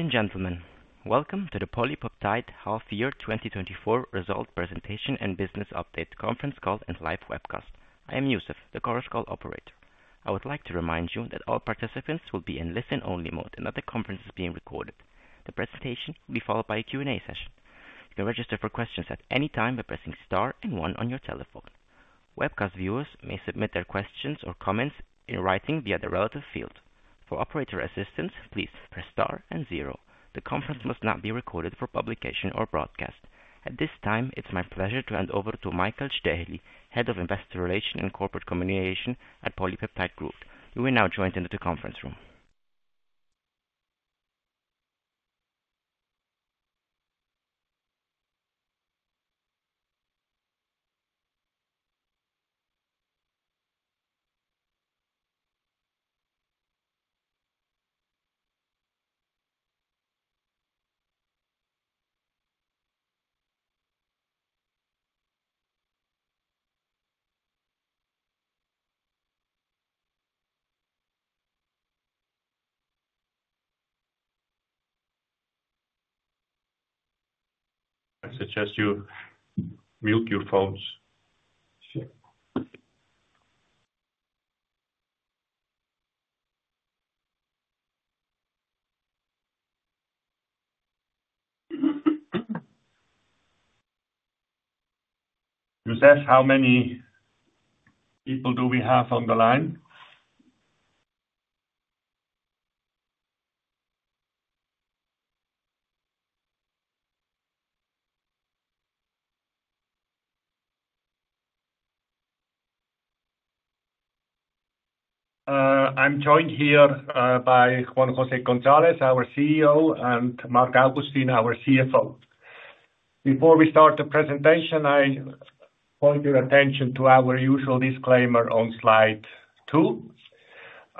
Ladies and gentlemen, welcome to the PolyPeptide Half-Year 2024 Result Presentation and Business Update Conference Call and Live Webcast. I am Youssef, the Chorus Call operator. I would like to remind you that all participants will be in listen-only mode and that the conference is being recorded. The presentation will be followed by a Q&A session. You can register for questions at any time by pressing star and one on your telephone. Webcast viewers may submit their questions or comments in writing via the relative field. For operator assistance, please press star and zero. The conference must not be recorded for publication or broadcast. At this time, it's my pleasure to hand over to Michael Staeheli, Head of Investor Relations and Corporate Communication at PolyPeptide Group. You are now joined into the conference room. I suggest you mute your phones. Sure. Youssef, how many people do we have on the line? I'm joined here by Juan José Gonzalez, our CEO, and Marc Augustin, our CFO. Before we start the presentation, I point your attention to our usual disclaimer on slide II.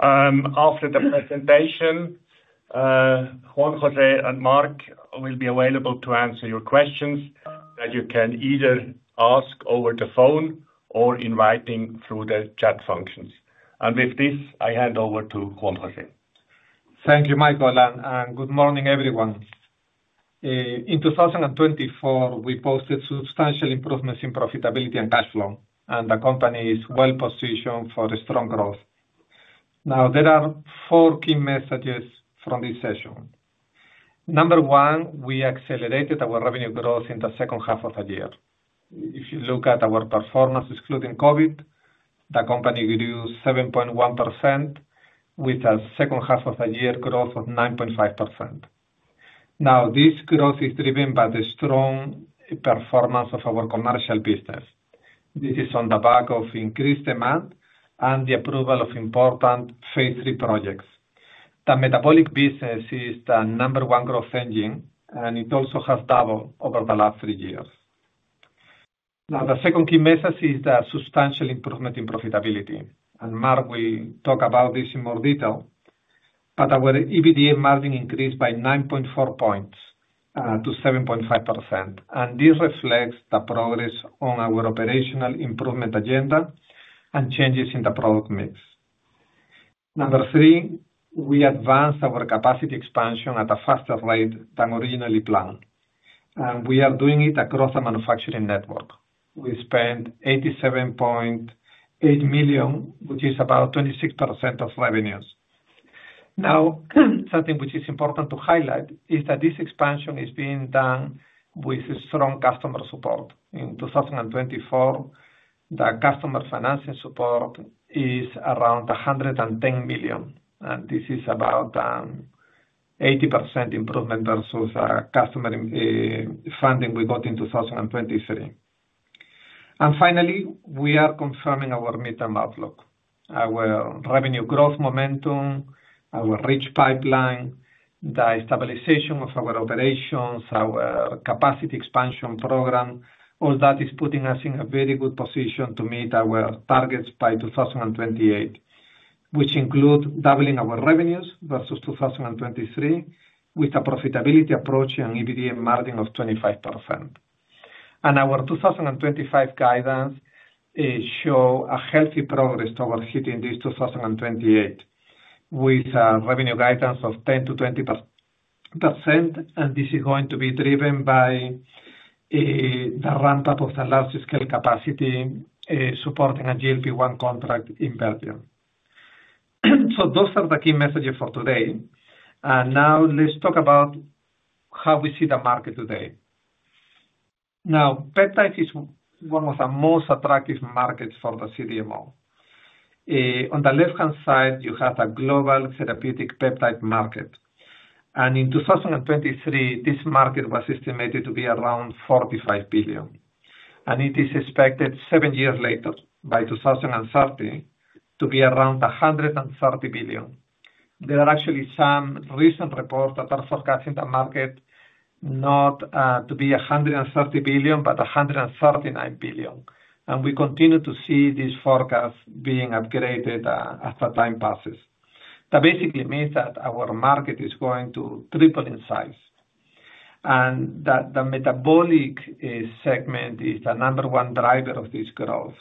After the presentation, Juan José and Marc will be available to answer your questions that you can either ask over the phone or in writing through the chat functions. With this, I hand over to Juan José. Thank you, Michael, and good morning, everyone. In 2024, we posted substantial improvements in profitability and cash flow, and the company is well positioned for strong growth. Now, there are four key messages from this session. Number one, we accelerated our revenue growth in the second half of the year. If you look at our performance, excluding COVID, the company grew 7.1%, with a second half of the year growth of 9.5%. Now, this growth is driven by the strong performance of our Commercial business. This is on the back of increased demand and the approval of important phase III projects. The metabolic business is the number one growth engine, and it also has doubled over the last three years. The second key message is the substantial improvement in profitability. Marc will talk about this in more detail, but our EBITDA margin increased by nine point four points to 7.5%. This reflects the progress on our operational improvement agenda and changes in the product mix. Number three, we advanced our capacity expansion at a faster rate than originally planned. We are doing it across the manufacturing network. We spent 87.8 million, which is about 26% of revenues. Something which is important to highlight is that this expansion is being done with strong customer support. In 2024, the customer financing support is around 110 million. This is about an 80% improvement versus the customer funding we got in 2023. Finally, we are confirming our mid-term outlook. Our revenue growth momentum, our rich pipeline, the stabilization of our operations, our capacity expansion program, all that is putting us in a very good position to meet our targets by 2028, which include doubling our revenues versus 2023, with a profitability approach and EBITDA margin of 25%. Our 2025 guidance shows healthy progress towards hitting this 2028, with a revenue guidance of 10%-20%. This is going to be driven by the ramp-up of the large-scale capacity supporting a GLP-1 contract in Belgium. Those are the key messages for today. Now, let's talk about how we see the market today. Peptides is one of the most attractive markets for the CDMO. On the left-hand side, you have a global therapeutic peptide market. In 2023, this market was estimated to be around 45 billion. It is expected seven years later, by 2030, to be around 130 billion. There are actually some recent reports that are forecasting the market not to be 130 billion, but 139 billion. We continue to see this forecast being upgraded as the time passes. That basically means that our market is going to triple in size. The metabolic segment is the number one driver of this growth.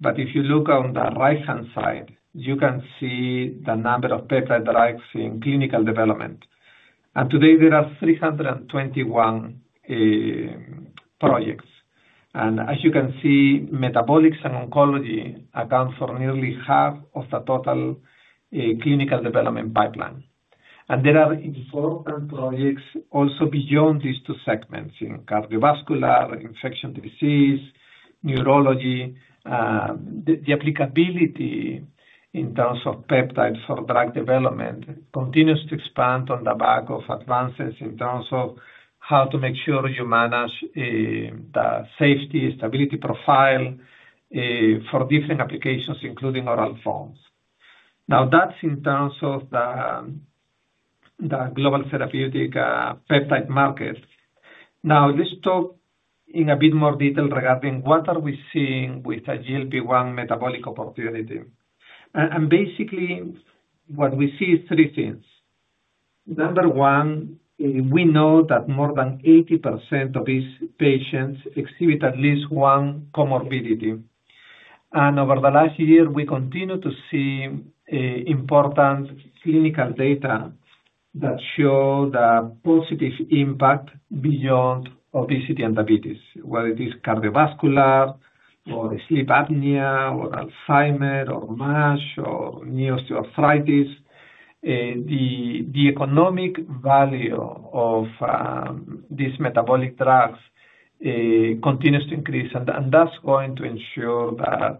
If you look on the right-hand side, you can see the number of peptide drugs in clinical development. Today, there are 321 projects. As you can see, metabolics and oncology account for nearly half of the total clinical development pipeline. There are important projects also beyond these two segments in cardiovascular, infectious disease, neurology. The applicability in terms of peptides for drug development continues to expand on the back of advances in terms of how to make sure you manage the safety stability profile for different applications, including oral forms. That is in terms of the global therapeutic peptide market. Now, let's talk in a bit more detail regarding what are we seeing with the GLP-1 metabolic opportunity. Basically, what we see is three things. Number one, we know that more than 80% of these patients exhibit at least one comorbidity. Over the last year, we continue to see important clinical data that show the positive impact beyond obesity and diabetes, whether it is cardiovascular or sleep apnea or Alzheimer or MASH or neo-osteoarthritis. The economic value of these metabolic drugs continues to increase, and that's going to ensure that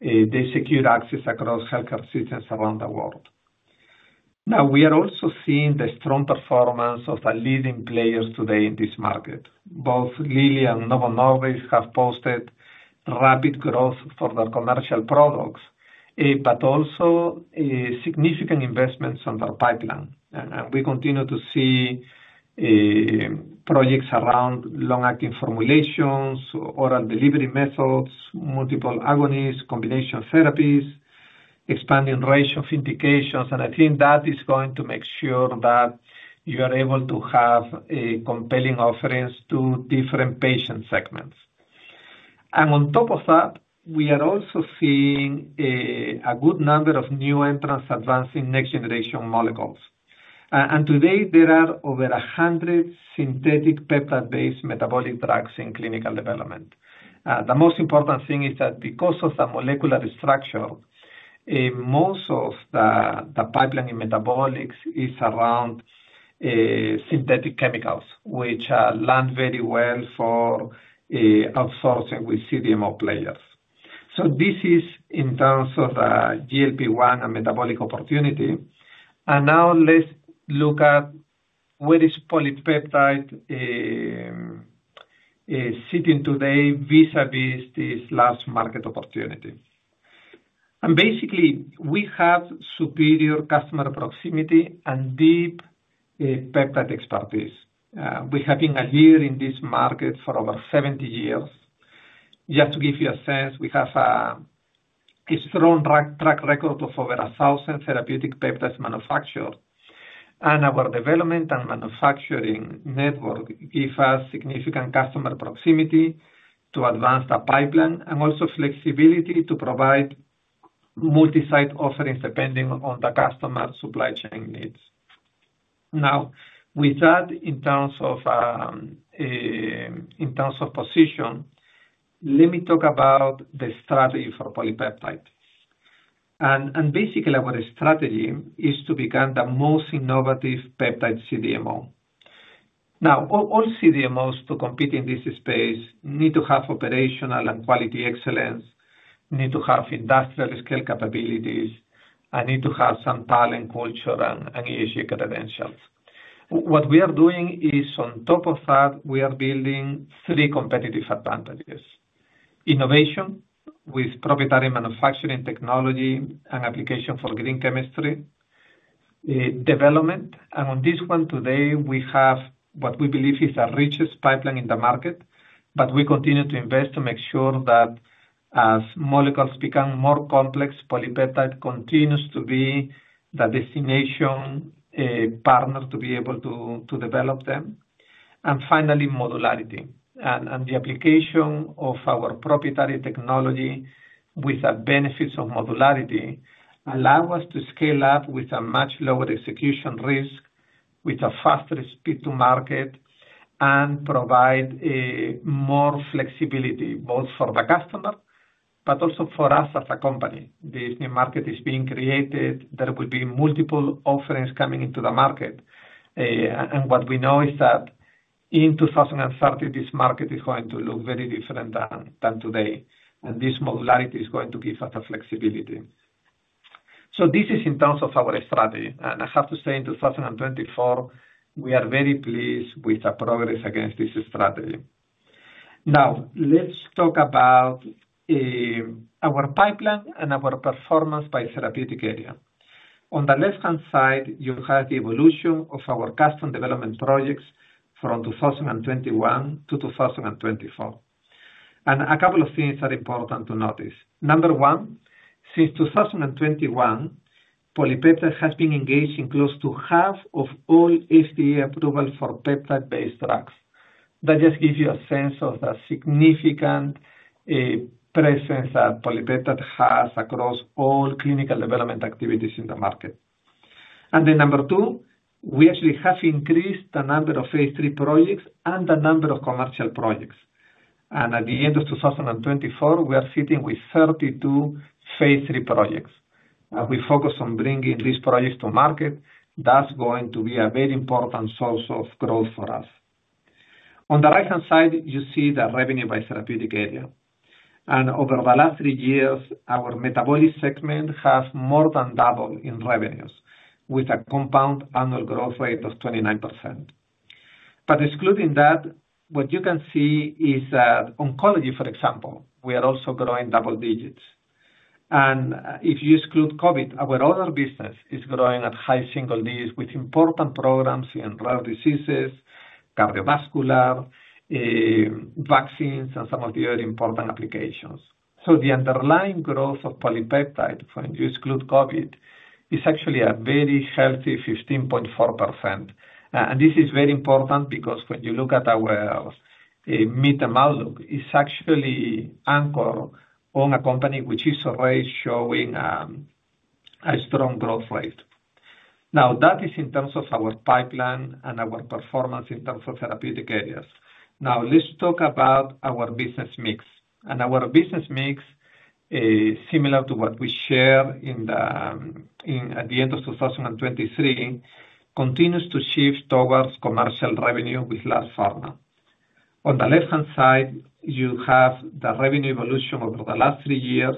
they secure access across healthcare systems around the world. We are also seeing the strong performance of the leading players today in this market. Both Eli Lilly and Novo Nordisk have posted rapid growth for their commercial products, but also significant investments on their pipeline. We continue to see projects around long-acting formulations, oral delivery methods, multiple agonists, combination therapies, expanding range of indications. I think that is going to make sure that you are able to have a compelling offering to different patient segments. On top of that, we are also seeing a good number of new entrants advancing next-generation molecules. Today, there are over 100 synthetic peptide-based metabolic drugs in clinical development. The most important thing is that because of the molecular structure, most of the pipeline in metabolics is around synthetic chemicals, which land very well for outsourcing with CDMO players. This is in terms of the GLP-1 and metabolic opportunity. Now, let's look at where PolyPeptide is sitting today vis-à-vis this last market opportunity. Basically, we have superior customer proximity and deep peptide expertise. We have been a leader in this market for over 70 years. Just to give you a sense, we have a strong track record of over 1,000 therapeutic peptides manufactured. Our development and manufacturing network gives us significant customer proximity to advance the pipeline and also flexibility to provide multi-site offerings depending on the customer supply chain needs. In terms of position, let me talk about the strategy for PolyPeptide. Basically, our strategy is to become the most innovative peptide CDMO. All CDMOs to compete in this space need to have operational and quality excellence, need to have industrial-scale capabilities, and need to have some talent, culture, and ESG credentials. What we are doing is, on top of that, we are building three competitive advantages: innovation with proprietary manufacturing technology and application for green chemistry, development. On this one today, we have what we believe is the richest pipeline in the market, but we continue to invest to make sure that as molecules become more complex, PolyPeptide continues to be the destination partner to be able to develop them. Finally, modularity. The application of our proprietary technology with the benefits of modularity allows us to scale up with a much lower execution risk, with a faster speed to market, and provide more flexibility both for the customer, but also for us as a company. This new market is being created. There will be multiple offerings coming into the market. What we know is that in 2030, this market is going to look very different than today. This modularity is going to give us the flexibility. This is in terms of our strategy. I have to say, in 2024, we are very pleased with the progress against this strategy. Let's talk about our pipeline and our performance by therapeutic area. On the left-hand side, you have the evolution of our custom development projects from 2021-2024. A couple of things are important to notice. Number one, since 2021, PolyPeptide has been engaged in close to half of all FDA approvals for peptide-based drugs. That just gives you a sense of the significant presence that PolyPeptide has across all clinical development activities in the market. Number two, we actually have increased the number of phase III projects and the number of Commercial projects. At the end of 2024, we are sitting with 32 phase III projects. We focus on bringing these projects to market. That's going to be a very important source of growth for us. On the right-hand side, you see the revenue by therapeutic area. Over the last three years, our metabolic segment has more than doubled in revenues with a compound annual growth rate of 29%. Excluding that, what you can see is that oncology, for example, we are also growing double digits. If you exclude COVID, our other business is growing at high single digits with important programs in rare diseases, cardiovascular, vaccines, and some of the other important applications. The underlying growth of PolyPeptide when you exclude COVID is actually a very healthy 15.4%. This is very important because when you look at our mid-term outlook, it is actually anchored on a company which is already showing a strong growth rate. That is in terms of our pipeline and our performance in terms of therapeutic areas. Now, let's talk about our business mix. Our business mix, similar to what we shared at the end of 2023, continues to shift towards commercial revenue with large pharma. On the left-hand side, you have the revenue evolution over the last three years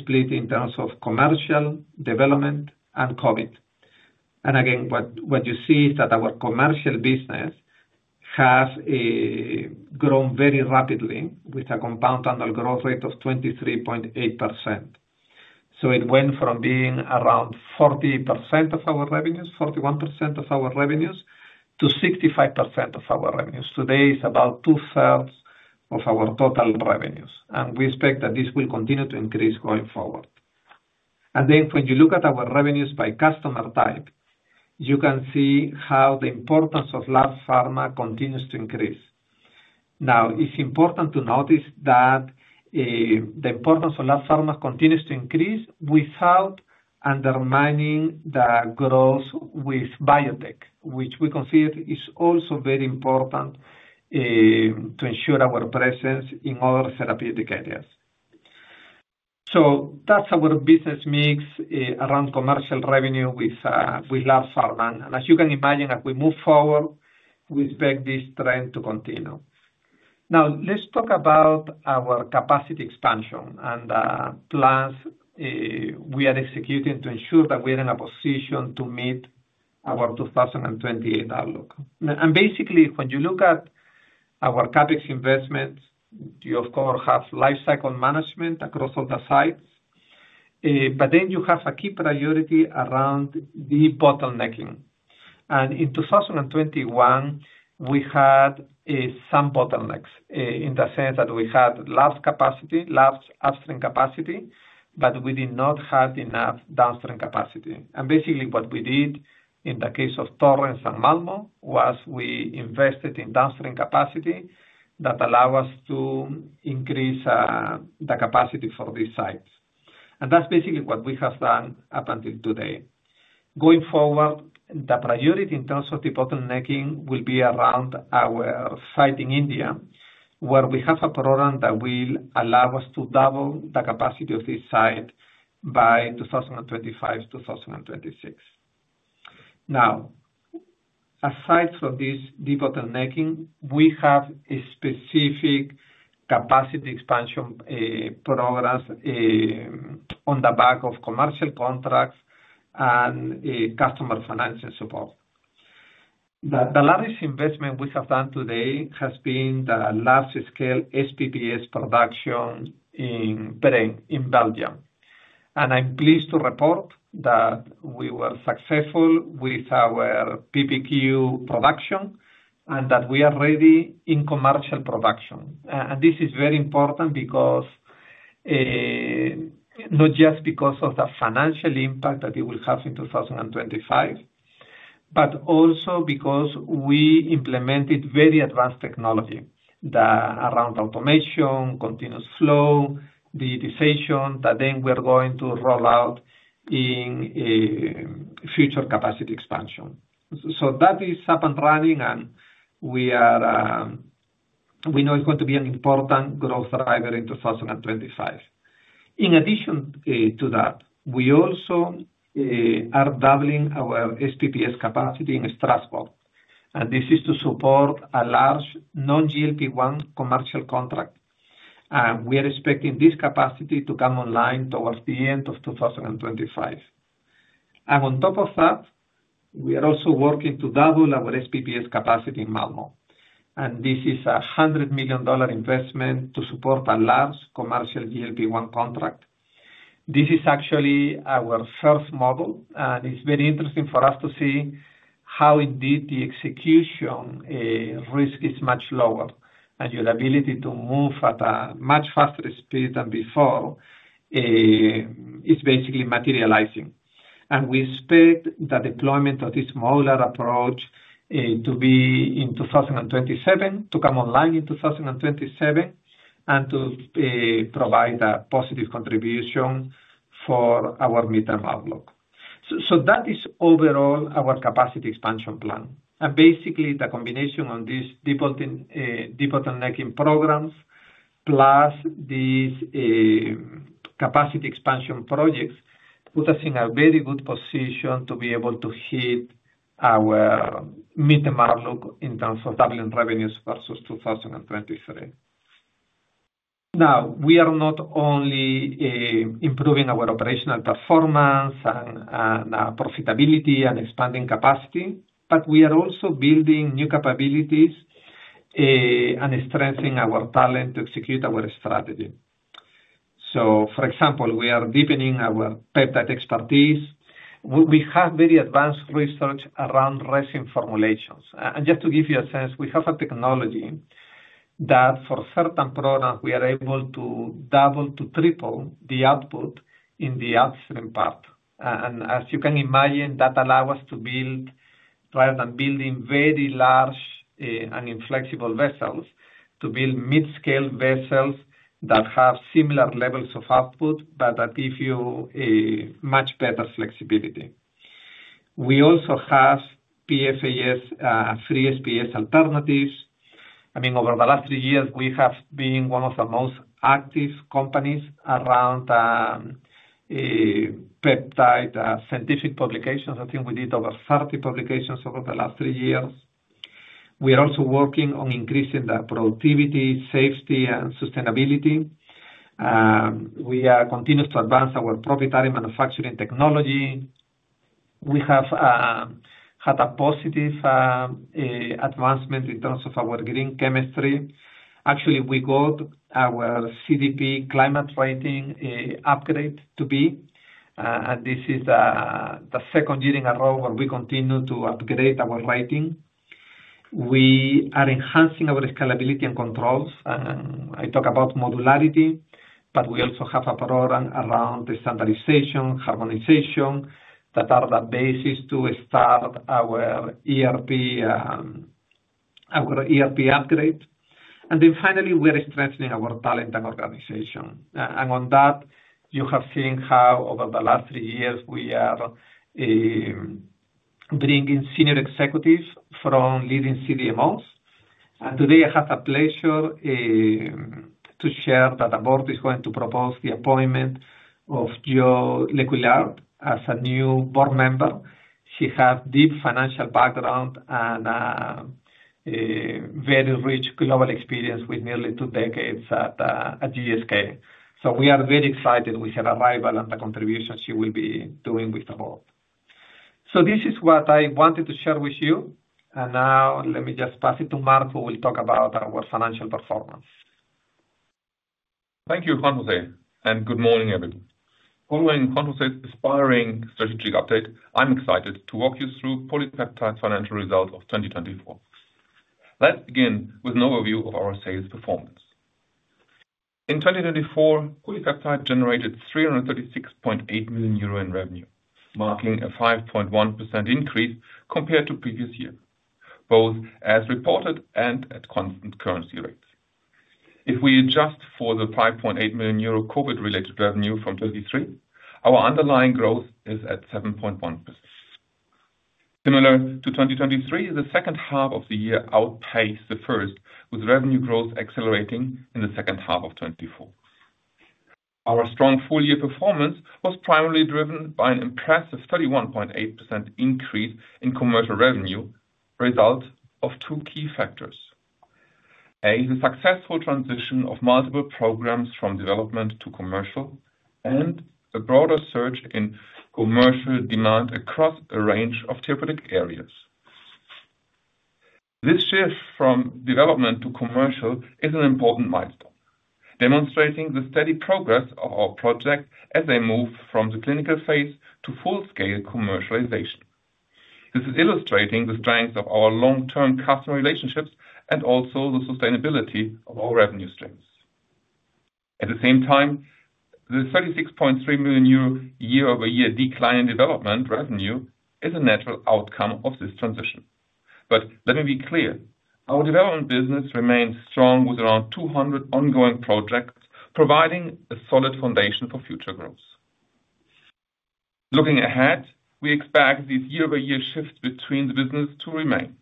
split in terms of Commercial development, and COVID. What you see is that our Commercial business has grown very rapidly with a compound annual growth rate of 23.8%. It went from being around 40% of our revenues, 41% of our revenues, to 65% of our revenues. Today, it is about two-thirds of our total revenues. We expect that this will continue to increase going forward. When you look at our revenues by customer type, you can see how the importance of large pharma continues to increase. Now, it's important to notice that the importance of large pharma continues to increase without undermining the growth with biotech, which we consider is also very important to ensure our presence in other therapeutic areas. That's our business mix around commercial revenue with large pharma. As you can imagine, as we move forward, we expect this trend to continue. Now, let's talk about our capacity expansion and the plans we are executing to ensure that we are in a position to meet our 2028 outlook. Basically, when you look at our CapEx investments, you, of course, have lifecycle management across all the sites. You have a key priority around the bottlenecking. In 2021, we had some bottlenecks in the sense that we had large capacity, large upstream capacity, but we did not have enough downstream capacity. Basically, what we did in the case of Torrance and Malmö was we invested in downstream capacity that allowed us to increase the capacity for these sites. That is basically what we have done up until today. Going forward, the priority in terms of the bottlenecking will be around our site in India, where we have a program that will allow us to double the capacity of this site by 2025-2026. Now, aside from this deep bottlenecking, we have specific capacity expansion programs on the back of commercial contracts and customer financing support. The largest investment we have done today has been the large-scale SPPS production in Belgium. I am pleased to report that we were successful with our PPQ production and that we are ready in commercial production. This is very important not just because of the financial impact that it will have in 2025, but also because we implemented very advanced technology around automation, continuous flow, digitization that then we are going to roll out in future capacity expansion. That is up and running, and we know it is going to be an important growth driver in 2025. In addition to that, we also are doubling our SPPS capacity in Strasbourg. This is to support a large non-GLP-1 commercial contract. We are expecting this capacity to come online towards the end of 2025. On top of that, we are also working to double our SPPS capacity in Malmö. This is a $100 million investment to support a large commercial GLP-1 contract. This is actually our first model. It is very interesting for us to see how indeed the execution risk is much lower. Your ability to move at a much faster speed than before is basically materializing. We expect the deployment of this modular approach to be in 2027, to come online in 2027, and to provide a positive contribution for our mid-term outlook. That is overall our capacity expansion plan. Basically, the combination of these deep bottlenecking programs plus these capacity expansion projects put us in a very good position to be able to hit our mid-term outlook in terms of doubling revenues versus 2023. We are not only improving our operational performance and profitability and expanding capacity, but we are also building new capabilities and strengthening our talent to execute our strategy. For example, we are deepening our peptide expertise. We have very advanced research around resin formulations. To give you a sense, we have a technology that for certain programs, we are able to double to triple the output in the upstream part. As you can imagine, that allows us to build, rather than building very large and inflexible vessels, to build mid-scale vessels that have similar levels of output, but that give you much better flexibility. We also have PFAS-free TFA in SPPS alternatives. I mean, over the last three years, we have been one of the most active companies around peptide scientific publications. I think we did over 30 publications over the last three years. We are also working on increasing the productivity, safety, and sustainability. We are continuous to advance our proprietary manufacturing technology. We have had a positive advancement in terms of our green chemistry. Actually, we got our CDP climate rating upgrade to B. This is the second year in a row where we continue to upgrade our rating. We are enhancing our scalability and controls. I talk about modularity, but we also have a program around the standardization and harmonization that are the basis to start our ERP upgrade. Finally, we are strengthening our talent and organization. On that, you have seen how over the last three years, we are bringing Senior Executives from leading CDMOs. Today, I have the pleasure to share that the Board is going to propose the appointment of Jo LeCouilliard as a new board member. She has a deep financial background and very rich global experience with nearly two decades at GSK. We are very excited with her arrival and the contribution she will be doing with the board. This is what I wanted to share with you. Let me just pass it to Marc, who will talk about our financial performance. Thank you, Juan José. Good morning, everyone. Following Juan José's inspiring strategic update, I'm excited to walk you through PolyPeptide's financial results of 2024. Let's begin with an overview of our sales performance. In 2024, PolyPeptide generated 336.8 million euro in revenue, marking a 5.1% increase compared to previous years, both as reported and at constant currency rates. If we adjust for the 5.8 million euro COVID-related revenue from 2023, our underlying growth is at 7.1%. Similar to 2023, the second half of the year outpaced the first, with revenue growth accelerating in the second half of 2024. Our strong full-year performance was primarily driven by an impressive 31.8% increase in commercial revenue, resulting from two key factors: A, the successful transition of multiple programs from development to commercial, and a broader surge in commercial demand across a range of therapeutic areas. This shift from development to commercial is an important milestone, demonstrating the steady progress of our project as they move from the clinical phase to full-scale commercialization. This is illustrating the strength of our long-term customer relationships and also the sustainability of our revenue streams. At the same time, the 36.3 million euro year-over-year decline in development revenue is a natural outcome of this transition. Let me be clear, our development business remains strong with around 200 ongoing projects, providing a solid foundation for future growth. Looking ahead, we expect these year-over-year shifts between the businesses to remain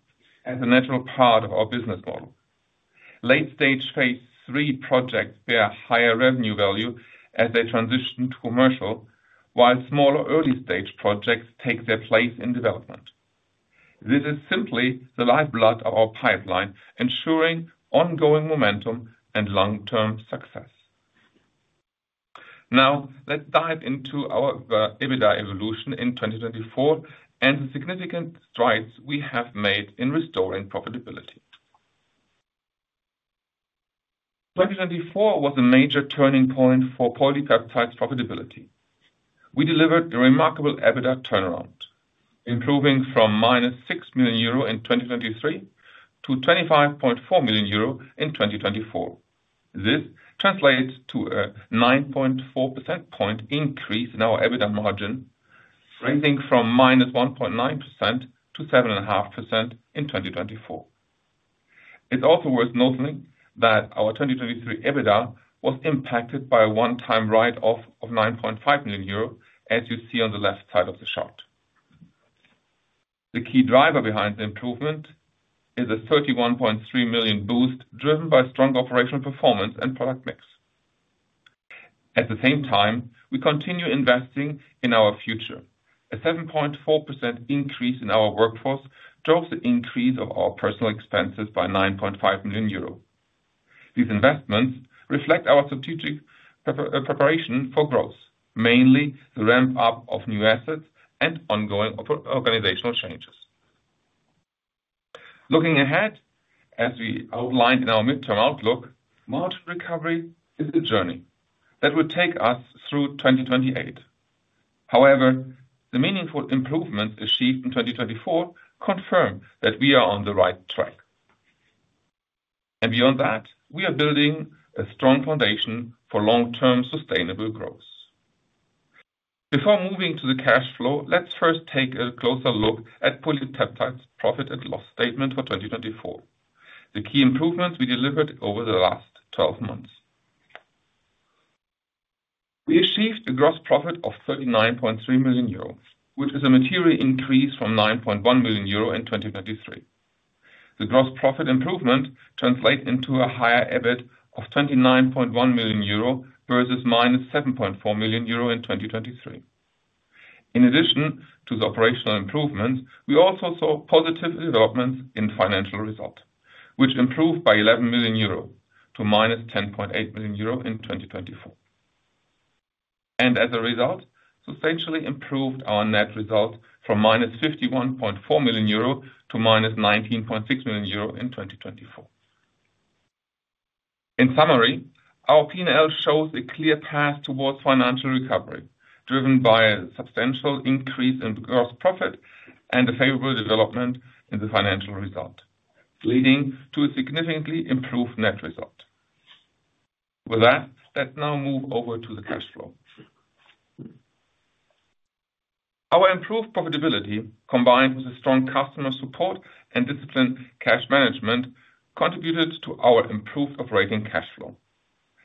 as a natural part of our business model. Late-stage phase III projects bear higher revenue value as they transition to commercial, while smaller early-stage projects take their place in development. This is simply the lifeblood of our pipeline, ensuring ongoing momentum and long-term success. Now, let's dive into our EBITDA evolution in 2024 and the significant strides we have made in restoring profitability. 2024 was a major turning point for PolyPeptide's profitability. We delivered a remarkable EBITDA turnaround, improving from 6 million euro in 2023 to 25.4 million euro in 2024. This translates to a 9.4% point increase in our EBITDA margin, rising from -1.9% to 7.5% in 2024. It's also worth noting that our 2023 EBITDA was impacted by a one-time write-off of 9.5 million euro, as you see on the left side of the chart. The key driver behind the improvement is a 31.3 million boost driven by strong operational performance and product mix. At the same time, we continue investing in our future. A 7.4% increase in our workforce drove the increase of our personnel expenses by 9.5 million euros. These investments reflect our strategic preparation for growth, mainly the ramp-up of new assets and ongoing organizational changes. Looking ahead, as we outlined in our mid-term outlook, margin recovery is the journey that will take us through 2028. However, the meaningful improvements achieved in 2024 confirm that we are on the right track. Beyond that, we are building a strong foundation for long-term sustainable growth. Before moving to the cash flow, let's first take a closer look at PolyPeptide's profit and loss statement for 2024, the key improvements we delivered over the last 12 months. We achieved a gross profit of 39.3 million euro, which is a material increase from 9.1 million euro in 2023. The gross profit improvement translates into a higher EBIT of 29.1 million euro versus 7.4 million euro in 2023. In addition to the operational improvements, we also saw positive developments in financial results, which improved by 11 million euro to -10.8 million euro in 2024. As a result, substantially improved our net result from -51.4 million--19.6 million euro in 2024. In summary, our P&L shows a clear path towards financial recovery, driven by a substantial increase in gross profit and a favorable development in the financial result, leading to a significantly improved net result. With that, let's now move over to the cash flow. Our improved profitability, combined with strong customer support and disciplined cash management, contributed to our improved operating cash flow.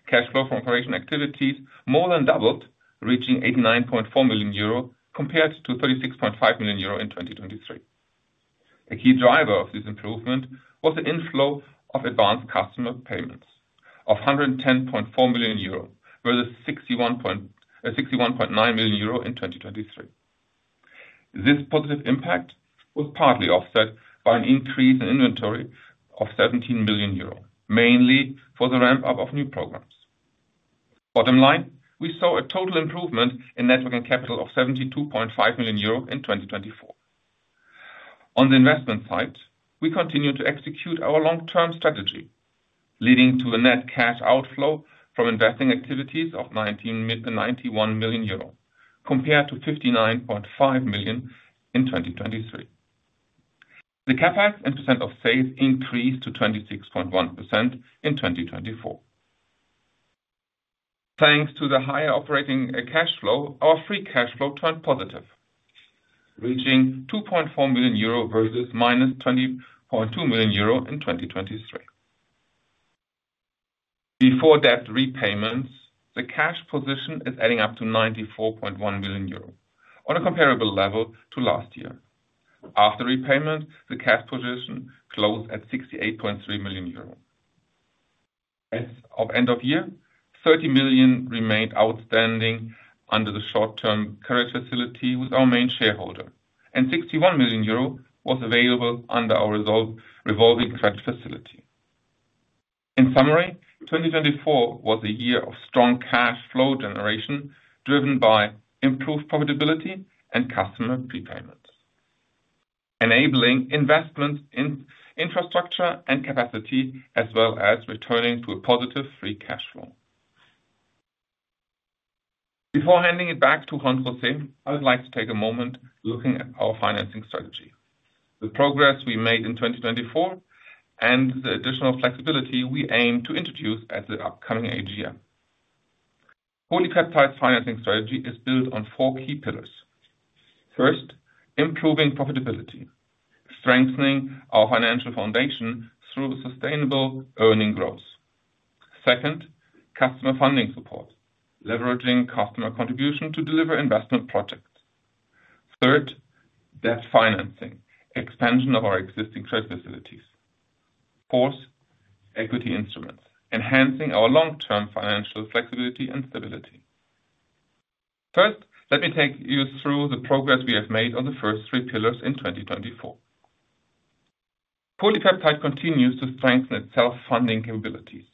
Cash flow from operating activities more than doubled, reaching 89.4 million euro compared to 36.5 million euro in 2023. A key driver of this improvement was the inflow of advanced customer payments of 110.4 million euro, versus 61.9 million euro in 2023. This positive impact was partly offset by an increase in inventory of 17 million euro, mainly for the ramp-up of new programs. Bottom line, we saw a total improvement in net working capital of 72.5 million euro in 2024. On the investment side, we continue to execute our long-term strategy, leading to a net cash outflow from investing activities of 91 million euro compared to 59.5 million in 2023. The CapEx and percent of sales increased to 26.1% in 2024. Thanks to the higher operating cash flow, our free cash flow turned positive, reaching 2.4 million euro versus 20.2 million euro in 2023. Before debt repayments, the cash position is adding up to 94.1 million euro on a comparable level to last year. After repayment, the cash position closed at 68.3 million euro. At the end of the year, 30 million remained outstanding under the short-term credit facility with our main shareholder, and 61 million euro was available under our revolving credit facility. In summary, 2024 was a year of strong cash flow generation driven by improved profitability and customer prepayments, enabling investments in infrastructure and capacity, as well as returning to a positive free cash flow. Before handing it back to Juan José, I would like to take a moment looking at our financing strategy, the progress we made in 2024, and the additional flexibility we aim to introduce at the upcoming AGM. PolyPeptide's financing strategy is built on four key pillars. First, improving profitability, strengthening our financial foundation through sustainable earning growth. Second, customer funding support, leveraging customer contribution to deliver investment projects. Third, debt financing, expansion of our existing credit facilities. Fourth, equity instruments, enhancing our long-term financial flexibility and stability. First, let me take you through the progress we have made on the first three pillars in 2024. PolyPeptide continues to strengthen its self-funding capabilities,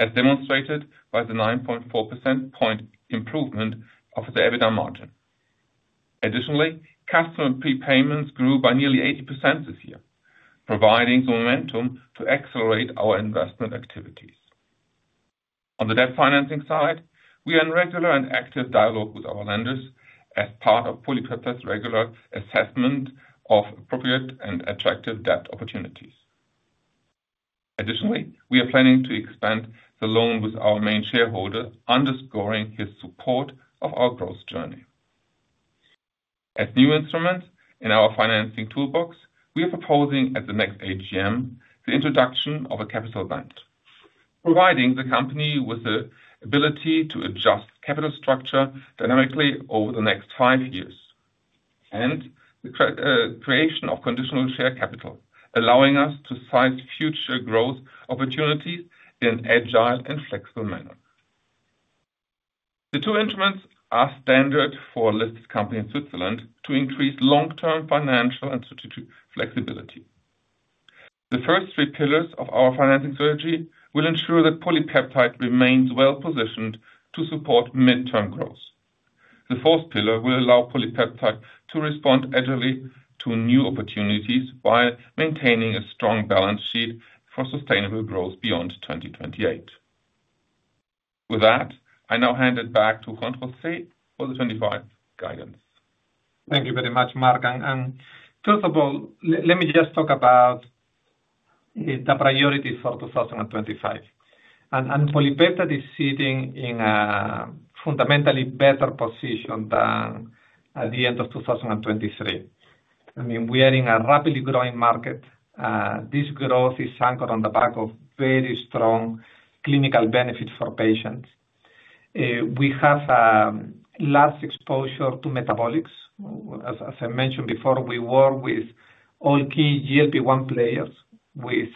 as demonstrated by the 9.4% point improvement of the EBITDA margin. Additionally, customer prepayments grew by nearly 80% this year, providing the momentum to accelerate our investment activities. On the debt financing side, we are in regular and active dialogue with our lenders as part of PolyPeptide's regular assessment of appropriate and attractive debt opportunities. Additionally, we are planning to expand the loan with our main shareholder, underscoring his support of our growth journey. As new instruments in our financing toolbox, we are proposing at the next AGM the introduction of a capital bank, providing the company with the ability to adjust capital structure dynamically over the next five years, and the creation of conditional share capital, allowing us to size future growth opportunities in an agile and flexible manner. The two instruments are standard for listed companies in Switzerland to increase long-term financial and strategic flexibility. The first three pillars of our financing strategy will ensure that PolyPeptide remains well-positioned to support mid-term growth. The fourth pillar will allow PolyPeptide to respond agilely to new opportunities while maintaining a strong balance sheet for sustainable growth beyond 2028. With that, I now hand it back to Juan José for the 2025 guidance. Thank you very much, Marc. First of all, let me just talk about the priorities for 2025. PolyPeptide is sitting in a fundamentally better position than at the end of 2023. I mean, we are in a rapidly growing market. This growth is anchored on the back of very strong clinical benefits for patients. We have a large exposure to metabolics. As I mentioned before, we work with all key GLP-1 players, with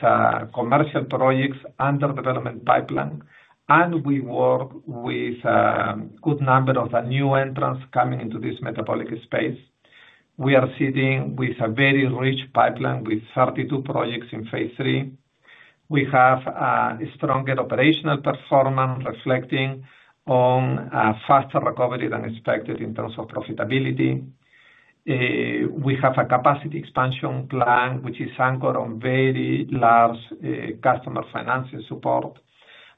commercial projects under development pipeline, and we work with a good number of new entrants coming into this metabolic space. We are sitting with a very rich pipeline with 32 projects in phase III. We have a stronger operational performance reflecting on a faster recovery than expected in terms of profitability. We have a capacity expansion plan, which is anchored on very large customer financing support.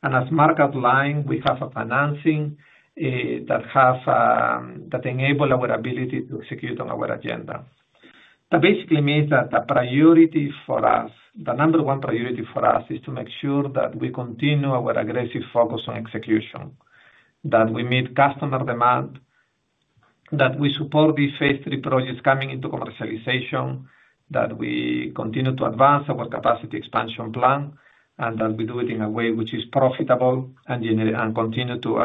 As Marc outlined, we have a financing that enables our ability to execute on our agenda. That basically means that the priority for us, the number one priority for us, is to make sure that we continue our aggressive focus on execution, that we meet customer demand, that we support these phase III projects coming into commercialization, that we continue to advance our capacity expansion plan, and that we do it in a way which is profitable and continue to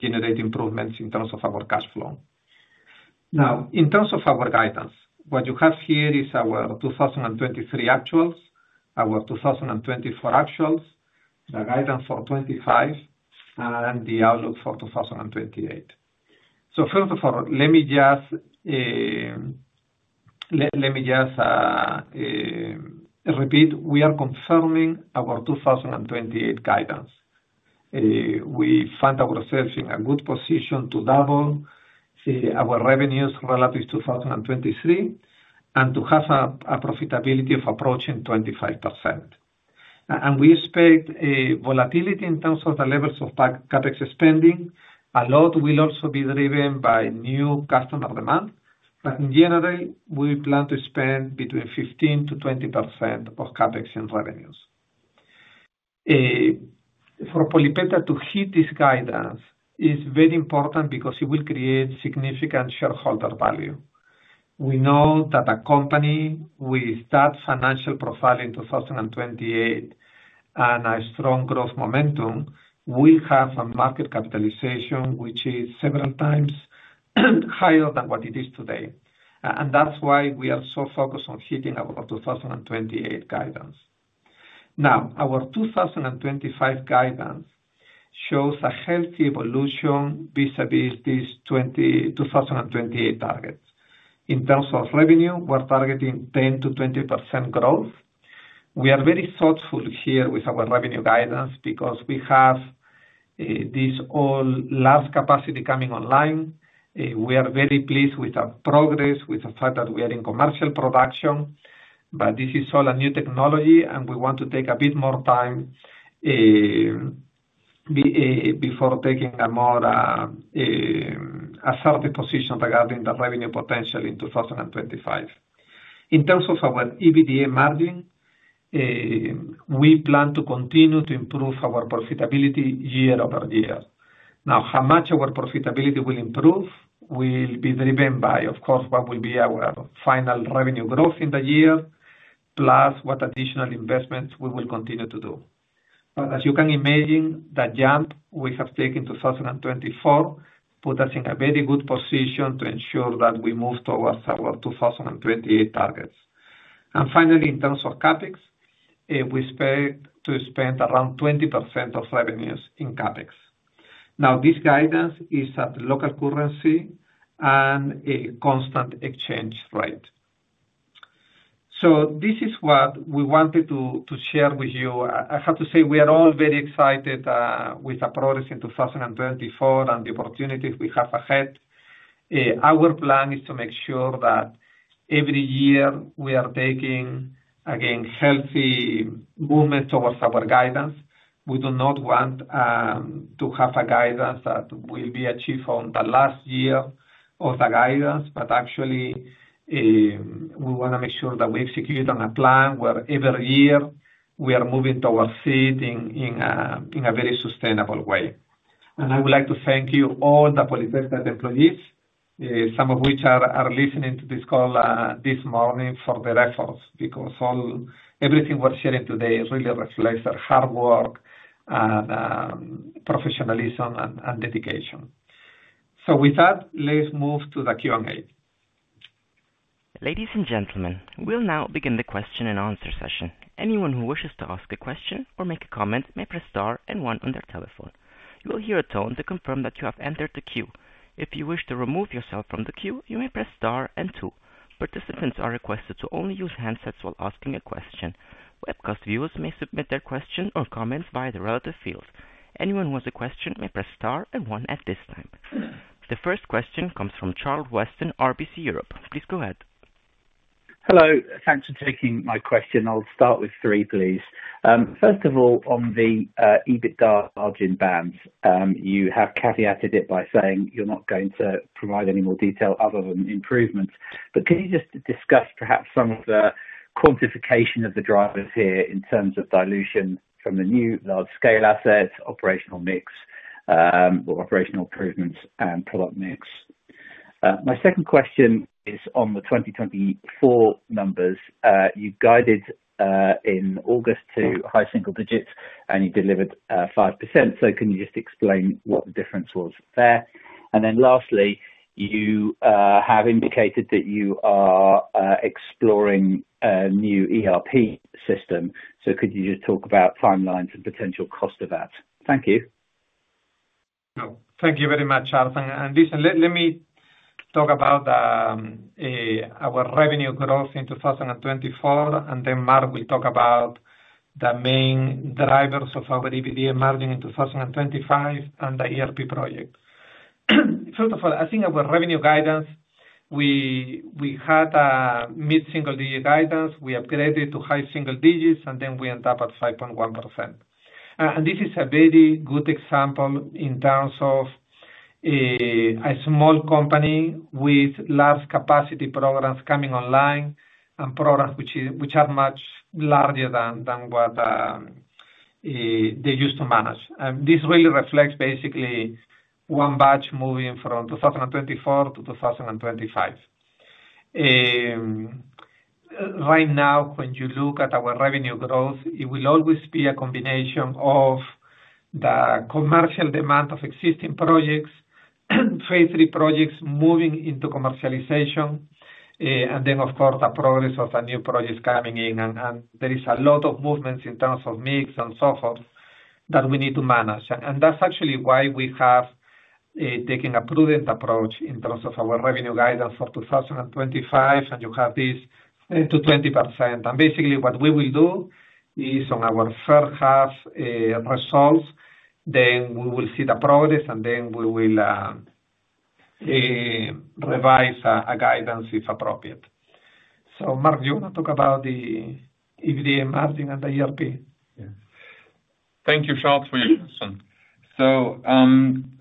generate improvements in terms of our cash flow. Now, in terms of our guidance, what you have here is our 2023 actuals, our 2024 actuals, the guidance for 2025, and the outlook for 2028. First of all, let me just repeat, we are confirming our 2028 guidance. We find ourselves in a good position to double our revenues relative to 2023 and to have a profitability of approaching 25%. We expect volatility in terms of the levels of CapEx spending. A lot will also be driven by new customer demand. In general, we plan to spend between 15%-20% of CapEx in revenues. For PolyPeptide to hit this guidance is very important because it will create significant shareholder value. We know that a company with that financial profile in 2028 and a strong growth momentum will have a market capitalization which is seven times higher than what it is today. That is why we are so focused on hitting our 2028 guidance. Now, our 2025 guidance shows a healthy evolution vis-à-vis these 2028 targets. In terms of revenue, we're targeting 10%-20% growth. We are very thoughtful here with our revenue guidance because we have this all last capacity coming online. We are very pleased with our progress with the fact that we are in commercial production. This is all a new technology, and we want to take a bit more time before taking a more assertive position regarding the revenue potential in 2025. In terms of our EBITDA margin, we plan to continue to improve our profitability year-over-year. Now, how much our profitability will improve will be driven by, of course, what will be our final revenue growth in the year, plus what additional investments we will continue to do. As you can imagine, the jump we have taken in 2024 put us in a very good position to ensure that we move towards our 2028 targets. Finally, in terms of CapEx, we expect to spend around 20% of revenues in CapEx. This guidance is at local currency and a constant exchange rate. This is what we wanted to share with you. I have to say we are all very excited with the progress in 2024 and the opportunities we have ahead. Our plan is to make sure that every year we are taking, again, healthy movements towards our guidance. We do not want to have a guidance that will be achieved on the last year of the guidance, but actually, we want to make sure that we execute on a plan where every year we are moving towards it in a very sustainable way. I would like to thank you, all the PolyPeptide employees, some of which are listening to this call this morning for their efforts, because everything we're sharing today really reflects their hard work and professionalism and dedication. With that, let's move to the Q&A. Ladies and gentlemen, we'll now begin the question and answer session. Anyone who wishes to ask a question or make a comment may press star and one on their telephone. You will hear a tone to confirm that you have entered the queue. If you wish to remove yourself from the queue, you may press star and two. Participants are requested to only use handsets while asking a question. Webcast viewers may submit their question or comments via the relative fields. Anyone who has a question may press star and one at this time. The first question comes from Charles Weston, RBC Europe. Please go ahead. Hello. Thanks for taking my question. I'll start with three, please. First of all, on the EBITDA margin bands, you have caveated it by saying you're not going to provide any more detail other than improvements. Can you just discuss perhaps some of the quantification of the drivers here in terms of dilution from the new large-scale assets, operational mix, or operational improvements and product mix? My second question is on the 2024 numbers. You guided in August to high single digits, and you delivered 5%. Can you just explain what the difference was there? Lastly, you have indicated that you are exploring a new ERP system. Could you just talk about timelines and potential cost of that? Thank you. Thank you very much, Charles. Listen, let me talk about our revenue growth in 2024. Marc will talk about the main drivers of our EBITDA margin in 2025 and the ERP project. First of all, I think our revenue guidance, we had a mid-single digit guidance. We upgraded to high single digits, and then we ended up at 5.1%. This is a very good example in terms of a small company with large capacity programs coming online and programs which are much larger than what they used to manage. This really reflects basically one batch moving from 2024-2025. Right now, when you look at our revenue growth, it will always be a combination of the commercial demand of existing projects, phase III projects moving into commercialization, and, of course, the progress of the new projects coming in. There is a lot of movement in terms of mix and so forth that we need to manage. That is actually why we have taken a prudent approach in terms of our revenue guidance for 2025. You have this to 20%. Basically, what we will do is on our first half results, we will see the progress, and we will revise a guidance if appropriate. Marc, do you want to talk about the EBITDA margin and the ERP? Thank you, Charles, for your question.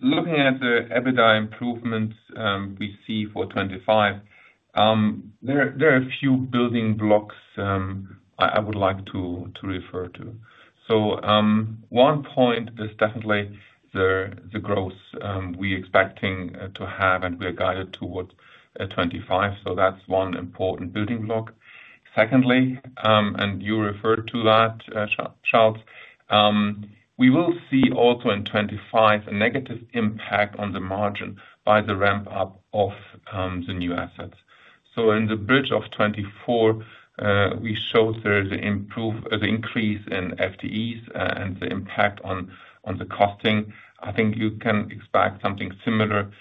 Looking at the EBITDA improvements we see for 2025, there are a few building blocks I would like to refer to. One point is definitely the growth we are expecting to have, and we are guided towards 2025. That is one important building block. Secondly, and you referred to that, Charles, we will see also in 2025 a negative impact on the margin by the ramp-up of the new assets. In the bridge of 2024, we showed the increase in FTEs and the impact on the costing. I think you can expect something similar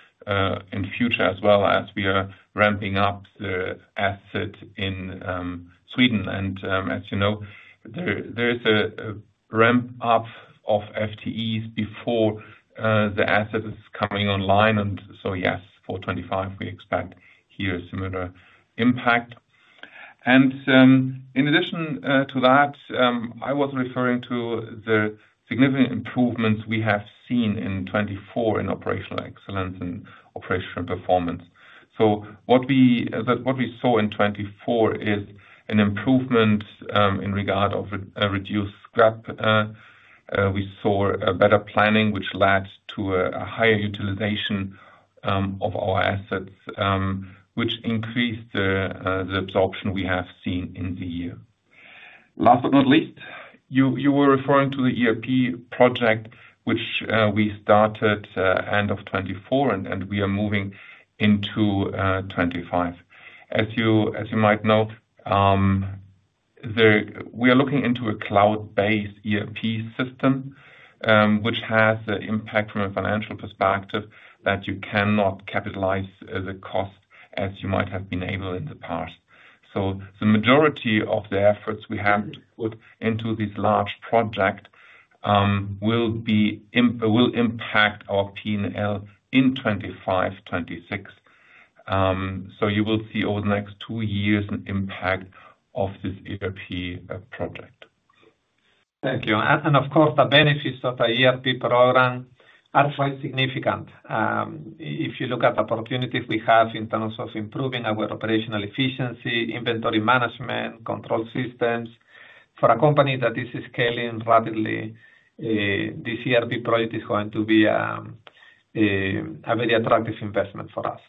in the future as well as we are ramping up the asset in Sweden. As you know, there is a ramp-up of FTEs before the asset is coming online. Yes, for 2025, we expect here a similar impact. In addition to that, I was referring to the significant improvements we have seen in 2024 in operational excellence and operational performance. What we saw in 2024 is an improvement in regard to reduced scrap. We saw better planning, which led to a higher utilization of our assets, which increased the absorption we have seen in the year. Last but not least, you were referring to the ERP project, which we started at the end of 2024, and we are moving into 2025. As you might know, we are looking into a cloud-based ERP system, which has an impact from a financial perspective that you cannot capitalize the cost as you might have been able in the past. The majority of the efforts we have put into this large project will impact our P&L in 2025-2026. You will see over the next two years an impact of this ERP project. Thank you. Of course, the benefits of the ERP program are quite significant. If you look at the opportunities we have in terms of improving our operational efficiency, inventory management, control systems, for a company that is scaling rapidly, this ERP project is going to be a very attractive investment for us.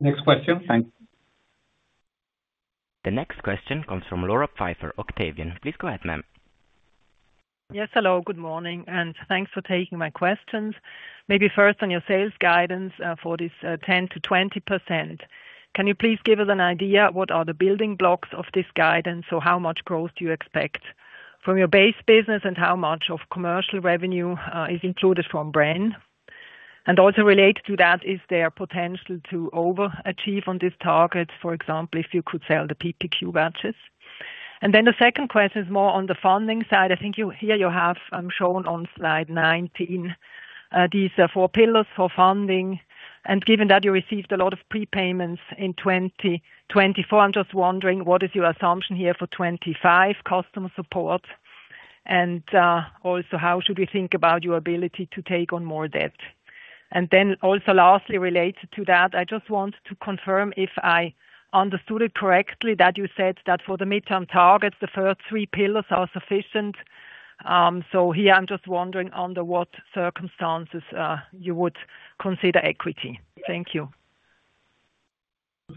Next question. Thank you. The next question comes from Laura Pfeifer, Octavian. Please go ahead, ma'am. Yes, hello. Good morning. And thanks for taking my questions. Maybe first on your sales guidance for this 10%-20%. Can you please give us an idea of what are the building blocks of this guidance? So how much growth do you expect from your base business and how much of commercial revenue is included from brand? Also related to that, is there a potential to overachieve on this target, for example, if you could sell the PPQ batches? The second question is more on the funding side. I think here you have shown on slide XIX these four pillars for funding. Given that you received a lot of prepayments in 2024, I'm just wondering, what is your assumption here for 2025 customer support? Also, how should we think about your ability to take on more debt? Lastly, related to that, I just want to confirm if I understood it correctly that you said that for the midterm targets, the first three pillars are sufficient. Here, I'm just wondering under what circumstances you would consider equity. Thank you.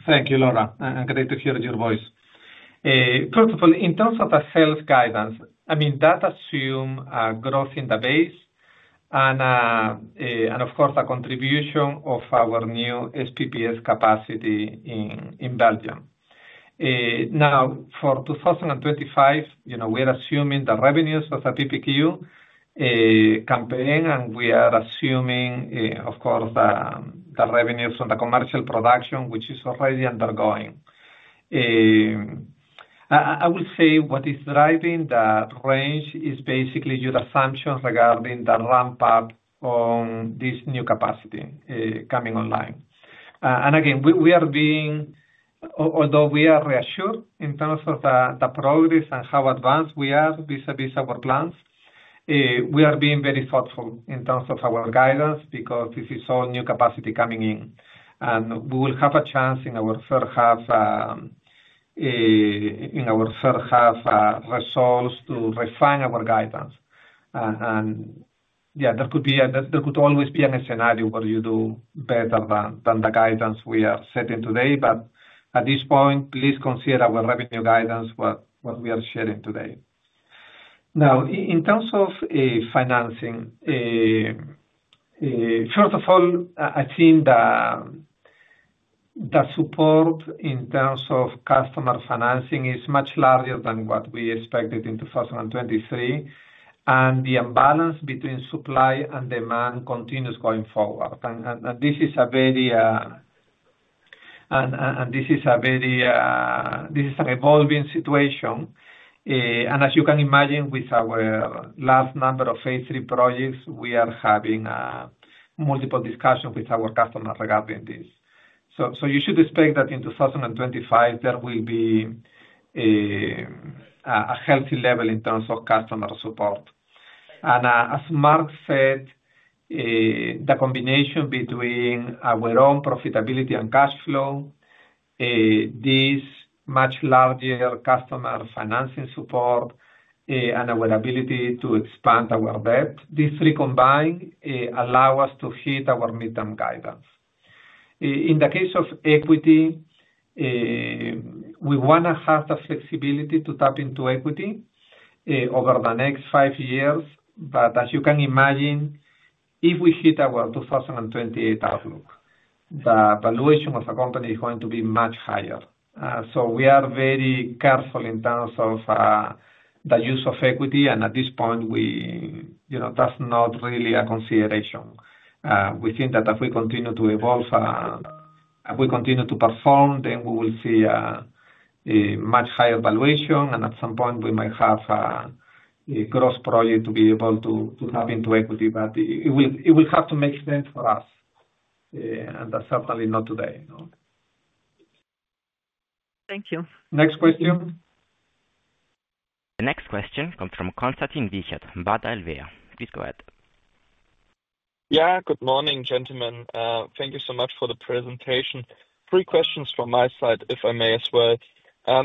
Thank you, Laura. Great to hear your voice. First of all, in terms of the sales guidance, I mean, that assumes growth in the base and, of course, a contribution of our new SPPS capacity in Belgium. Now, for 2025, we are assuming the revenues of the PPQ campaign, and we are assuming, of course, the revenues from the commercial production, which is already undergoing. I will say what is driving that range is basically your assumption regarding the ramp-up on this new capacity coming online. We are being, although we are reassured in terms of the progress and how advanced we are vis-à-vis our plans, we are being very thoughtful in terms of our guidance because this is all new capacity coming in. We will have a chance in our third half results to refine our guidance. Yeah, there could always be a scenario where you do better than the guidance we are setting today. At this point, please consider our revenue guidance, what we are sharing today. In terms of financing, first of all, I think the support in terms of customer financing is much larger than what we expected in 2023. The imbalance between supply and demand continues going forward. This is an evolving situation. As you can imagine, with our last number of phase III projects, we are having multiple discussions with our customers regarding this. You should expect that in 2025, there will be a healthy level in terms of customer support. As Marc said, the combination between our own profitability and cash flow, this much larger customer financing support, and our ability to expand our debt, these three combined allow us to hit our midterm guidance. In the case of equity, we want to have the flexibility to tap into equity over the next five years. As you can imagine, if we hit our 2028 outlook, the valuation of the company is going to be much higher. We are very careful in terms of the use of equity. At this point, that's not really a consideration. We think that if we continue to evolve, if we continue to perform, we will see a much higher valuation. At some point, we might have a gross project to be able to tap into equity. It will have to make sense for us. That is certainly not today. Thank you. Next question. The next question comes from Konstantin Wiechert, Baader Helvea. Please go ahead. Yeah, good morning, gentlemen. Thank you so much for the presentation. Three questions from my side, if I may as well.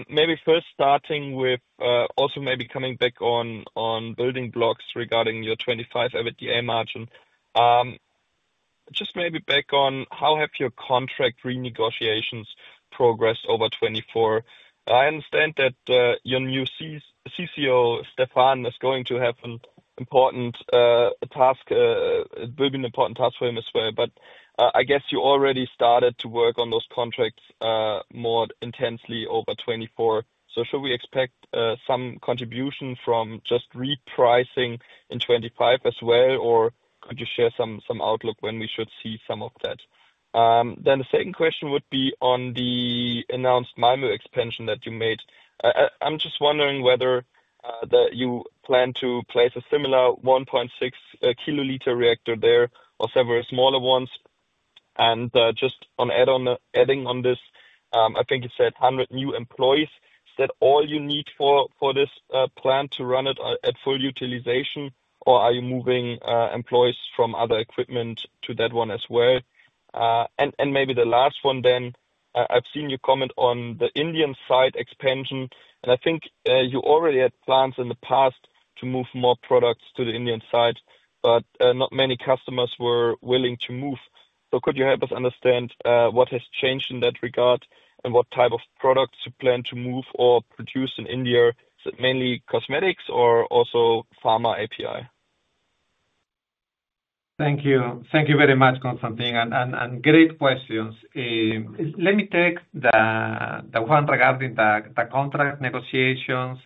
Maybe first starting with also maybe coming back on building blocks regarding your 2025 EBITDA margin. Just maybe back on how have your contract renegotiations progressed over 2024? I understand that your new CCO, Stéphane, is going to have an important task. It will be an important task for him as well. I guess you already started to work on those contracts more intensely over 2024. Should we expect some contribution from just repricing in 2025 as well? Could you share some outlook when we should see some of that? The second question would be on the announced Malmö expansion that you made. I'm just wondering whether you plan to place a similar 1.6 kiloliter reactor there or several smaller ones. Just adding on this, I think you said 100 new employees. Is that all you need for this plan to run it at full utilization? Are you moving employees from other equipment to that one as well? Maybe the last one then, I've seen you comment on the Indian site expansion. I think you already had plans in the past to move more products to the Indian site, but not many customers were willing to move. Could you help us understand what has changed in that regard and what type of products you plan to move or produce in India? Is it mainly cosmetics or also pharma API? Thank you. Thank you very much, Konstantin. Great questions. Let me take the one regarding the contract negotiations,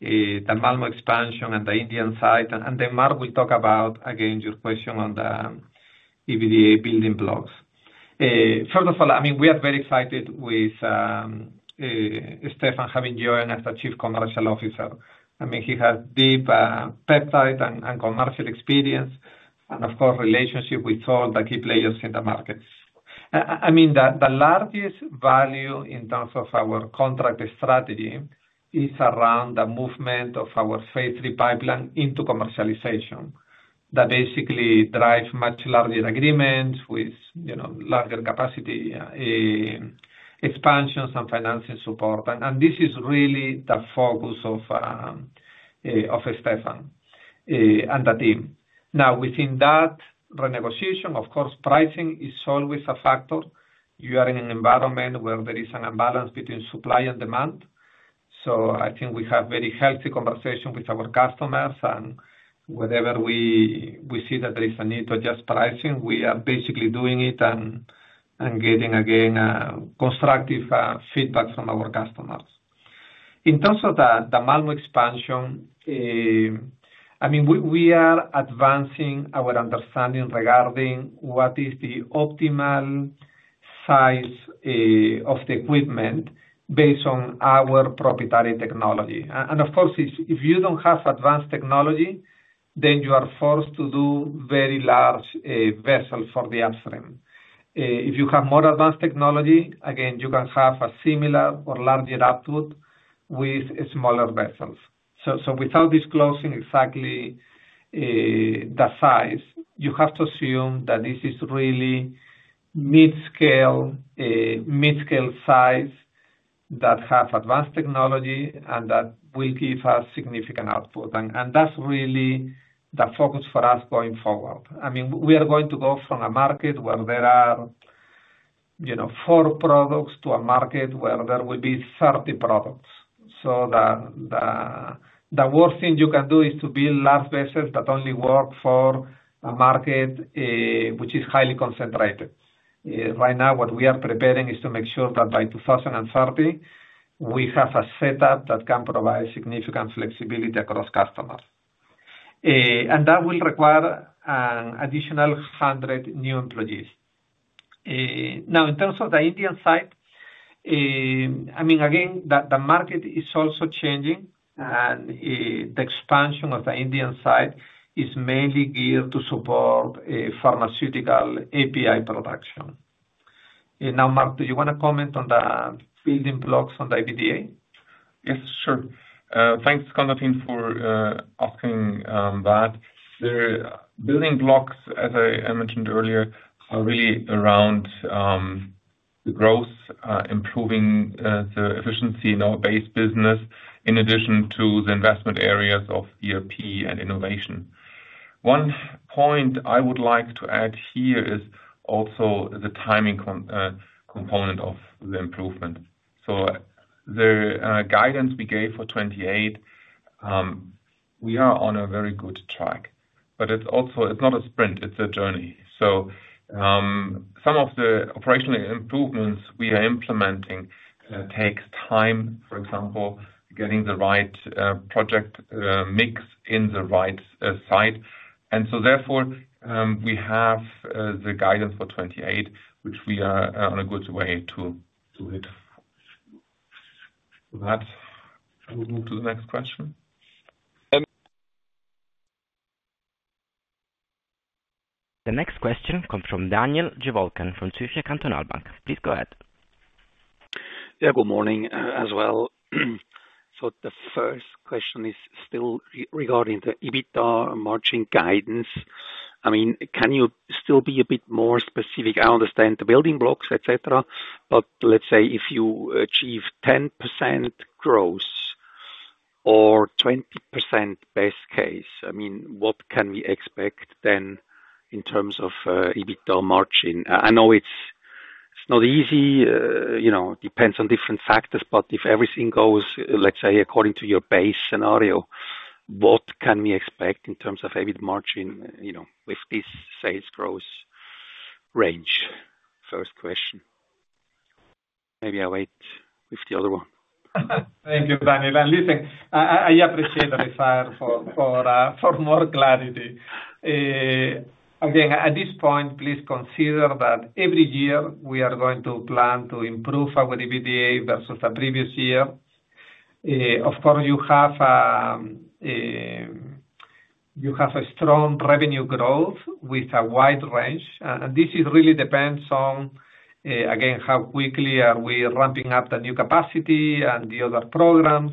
the Malmö expansion, and the Indian site. Marc will talk about, again, your question on the EBITDA building blocks. First of all, I mean, we are very excited with Stéphane having joined as the Chief Commercial Officer. I mean, he has deep peptide and commercial experience and, of course, relationship with all the key players in the market. I mean, the largest value in terms of our contract strategy is around the movement of our phase III pipeline into commercialization that basically drives much larger agreements with larger capacity expansions and financing support. This is really the focus of Stéphane and the team. Now, within that renegotiation, of course, pricing is always a factor. You are in an environment where there is an imbalance between supply and demand. I think we have very healthy conversations with our customers. Whenever we see that there is a need to adjust pricing, we are basically doing it and getting, again, constructive feedback from our customers. In terms of the Malmö expansion, I mean, we are advancing our understanding regarding what is the optimal size of the equipment based on our proprietary technology. Of course, if you do not have advanced technology, then you are forced to do very large vessels for the upstream. If you have more advanced technology, again, you can have a similar or larger output with smaller vessels. Without disclosing exactly the size, you have to assume that this is really mid-scale size that has advanced technology and that will give us significant output. That is really the focus for us going forward. I mean, we are going to go from a market where there are four products to a market where there will be 30 products. The worst thing you can do is to build large vessels that only work for a market which is highly concentrated. Right now, what we are preparing is to make sure that by 2030, we have a setup that can provide significant flexibility across customers. That will require an additional 100 new employees. In terms of the Indian site, I mean, again, the market is also changing. The expansion of the Indian site is mainly geared to support pharmaceutical API production. Marc, do you want to comment on the building blocks on the EBITDA? Yes, sure. Thanks, Konstantin, for asking that. The building blocks, as I mentioned earlier, are really around the growth, improving the efficiency in our base business, in addition to the investment areas of ERP and innovation. One point I would like to add here is also the timing component of the improvement. The guidance we gave for 2028, we are on a very good track. It is not a sprint. It is a journey. Some of the operational improvements we are implementing take time, for example, getting the right project mix in the right site. Therefore, we have the guidance for 2028, which we are on a good way to hit. With that, I will move to the next question. The next question comes from Daniel Jelovcan from Zürcher Kantonalbank. Please go ahead. Yeah, good morning as well. The first question is still regarding the EBITDA margin guidance. I mean, can you still be a bit more specific? I understand the building blocks, etc. Let's say if you achieve 10% growth or 20% best case, I mean, what can we expect then in terms of EBITDA margin? I know it's not easy. It depends on different factors. If everything goes, let's say, according to your base scenario, what can we expect in terms of EBITDA margin with this sales growth range? First question. Maybe I'll wait with the other one. Thank you, Daniel. Listen, I appreciate the desire for more clarity. Again, at this point, please consider that every year, we are going to plan to improve our EBITDA versus the previous year. Of course, you have a strong revenue growth with a wide range. This really depends on, again, how quickly are we ramping up the new capacity and the other programs.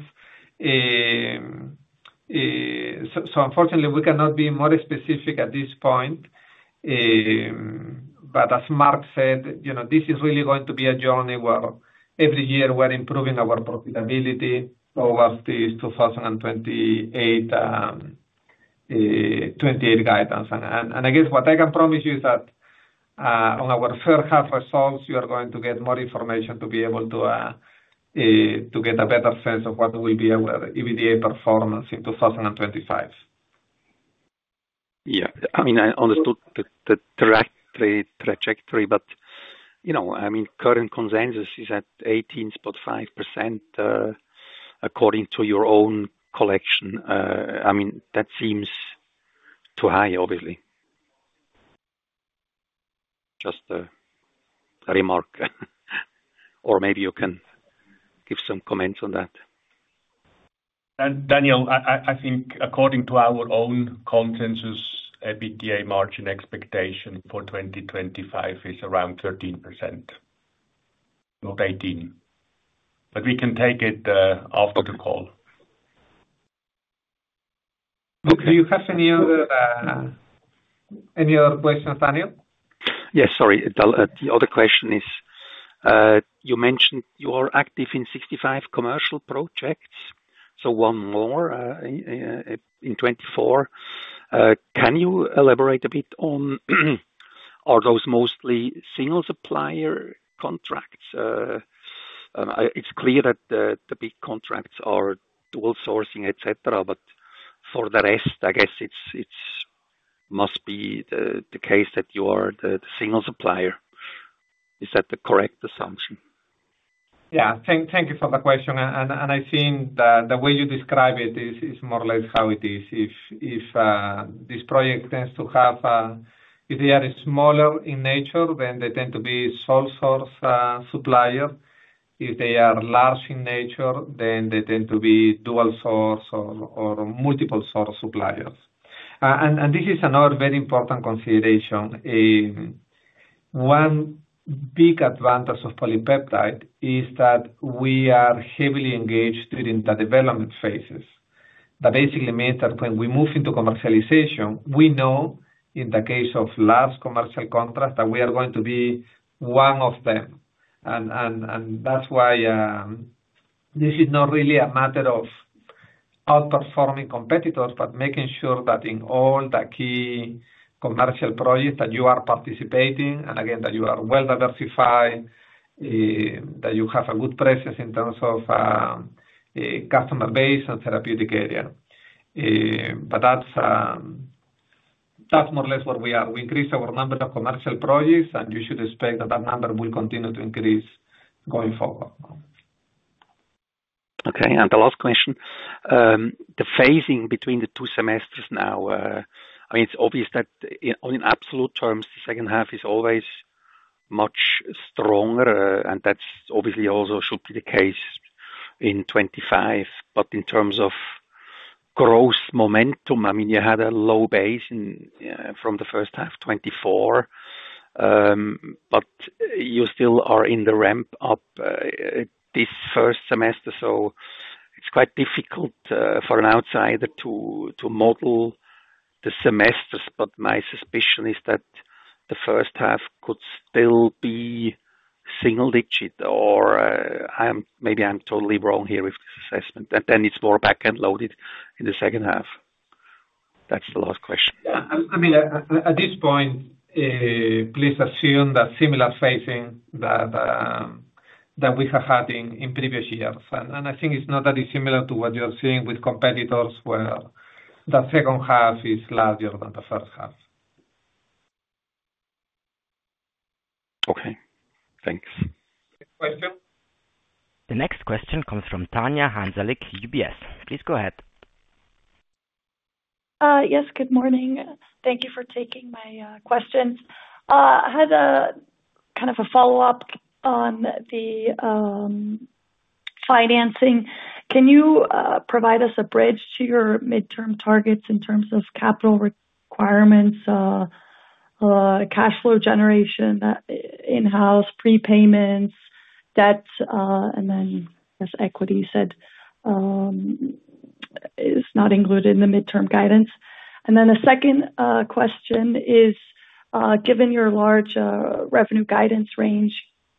Unfortunately, we cannot be more specific at this point. As Marc said, this is really going to be a journey where every year, we're improving our profitability over this 2028 guidance. I guess what I can promise you is that on our third half results, you are going to get more information to be able to get a better sense of what will be our EBITDA performance in 2025. Yeah. I mean, I understood the trajectory. I mean, current consensus is at 18.5% according to your own collection. I mean, that seems too high, obviously. Just a remark. Maybe you can give some comments on that. Daniel, I think according to our own consensus, EBITDA margin expectation for 2025 is around 13%, not 18%. We can take it after the call. Do you have any other questions, Daniel? Yes, sorry. The other question is, you mentioned you are active in 65 commercial projects, so one more in 2024. Can you elaborate a bit on, are those mostly single supplier contracts? It is clear that the big contracts are dual sourcing, etc. For the rest, I guess it must be the case that you are the single supplier. Is that the correct assumption? Yeah. Thank you for the question. I think the way you describe it is more or less how it is. If this project tends to have a, if they are smaller in nature, then they tend to be sole source suppliers. If they are large in nature, then they tend to be dual source or multiple source suppliers. This is another very important consideration. One big advantage of PolyPeptide is that we are heavily engaged during the development phases. That basically means that when we move into commercialization, we know in the case of large commercial contracts that we are going to be one of them. This is not really a matter of outperforming competitors, but making sure that in all the key commercial projects that you are participating in, and again, that you are well diversified, that you have a good presence in terms of customer base and therapeutic area. That is more or less where we are. We increase our number of commercial projects, and you should expect that that number will continue to increase going forward. Okay. The last question, the phasing between the two semesters now, I mean, it's obvious that in absolute terms, the second half is always much stronger. That obviously also should be the case in 2025. In terms of growth momentum, I mean, you had a low base from the first half, 2024, but you still are in the ramp-up this first semester. It's quite difficult for an outsider to model the semesters. My suspicion is that the first half could still be single-digit. Or maybe I'm totally wrong here with this assessment. It's more back-end loaded in the second half. That's the last question. Yeah. At this point, please assume that similar phasing that we have had in previous years. I think it's not that dissimilar to what you're seeing with competitors where the second half is larger than the first half. Okay. Thanks. Question? The next question comes from Tanya Hansalik, UBS. Please go ahead. Yes. Good morning. Thank you for taking my questions. I had kind of a follow-up on the financing. Can you provide us a bridge to your midterm targets in terms of capital requirements, cash flow generation, in-house prepayments, debts, and then equity you said is not included in the midterm guidance? The second question is, given your large revenue guidance range,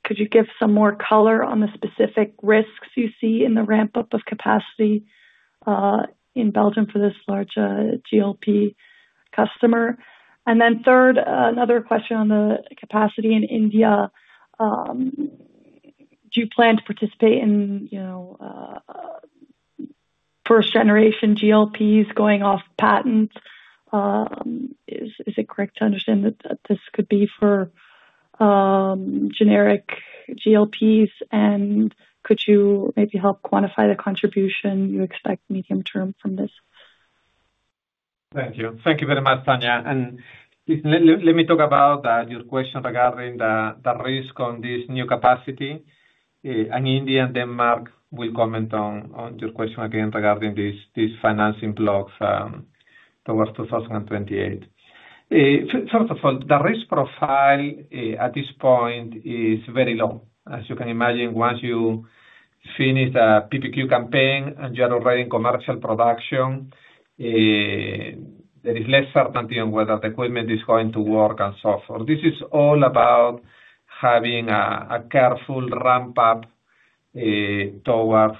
could you give some more color on the specific risks you see in the ramp-up of capacity in Belgium for this large GLP customer? Third, another question on the capacity in India. Do you plan to participate in first-generation GLPs going off patent? Is it correct to understand that this could be for generic GLPs? And could you maybe help quantify the contribution you expect medium-term from this? Thank you. Thank you very much, Tanya. Listen, let me talk about your question regarding the risk on this new capacity. India and Denmark will comment on your question again regarding these financing blocks towards 2028. First of all, the risk profile at this point is very low. As you can imagine, once you finish the PPQ campaign and you are already in commercial production, there is less certainty on whether the equipment is going to work and so forth. This is all about having a careful ramp-up towards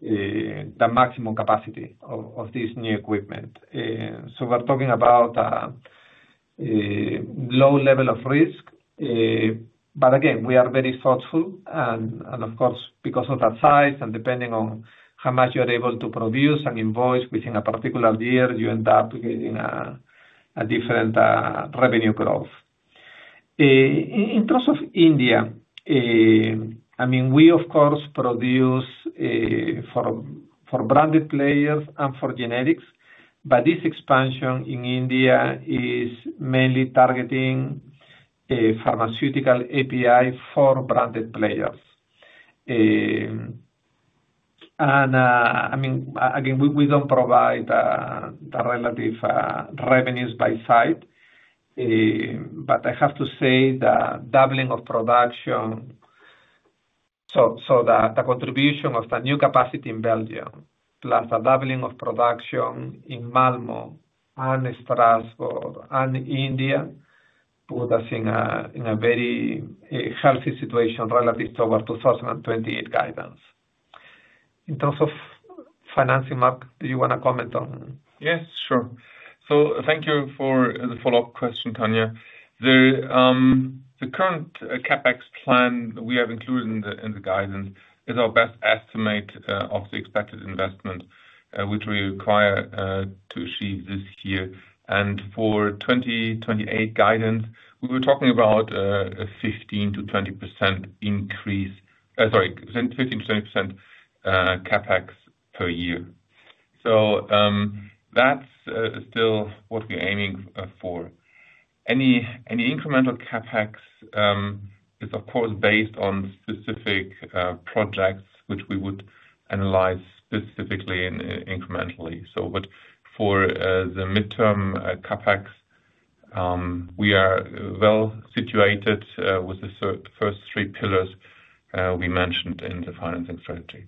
the maximum capacity of this new equipment. We are talking about a low level of risk. Again, we are very thoughtful. Of course, because of that size and depending on how much you're able to produce and invoice within a particular year, you end up getting a different revenue growth. In terms of India, I mean, we, of course, produce for branded players and for generics. This expansion in India is mainly targeting pharmaceutical API for branded players. I mean, again, we don't provide the relative revenues by site. I have to say the doubling of production, so the contribution of the new capacity in Belgium, plus the doubling of production in Malmö and Strasbourg and India, put us in a very healthy situation relative to our 2028 guidance. In terms of financing, Marc, do you want to comment on that? Yes, sure. Thank you for the follow-up question, Tanya. The current CapEx plan we have included in the guidance is our best estimate of the expected investment which we require to achieve this year. For 2028 guidance, we were talking about a 15%-20% CapEx per year. That is still what we are aiming for. Any incremental CapEx is, of course, based on specific projects which we would analyze specifically and incrementally. For the midterm CapEx, we are well situated with the first three pillars we mentioned in the financing strategy.